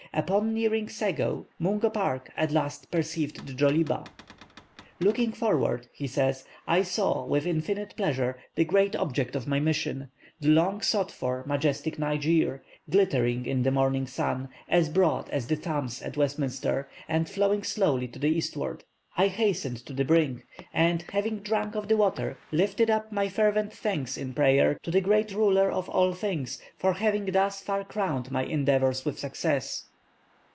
Upon nearing Sego, Mungo Park at last perceived the Djoliba. "Looking forward," he says, "I saw, with infinite pleasure, the great object of my mission the long sought for, majestic Niger, glittering in the morning sun, as broad as the Thames at Westminster, and flowing slowly to the eastward. I hastened to the brink, and, having drunk of the water, lifted up my fervent thanks in prayer to the Great Ruler of all things for having thus far crowned my endeavours with success.